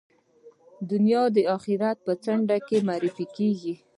دنیا د آخرت په څنډه کې معرفي کېږي.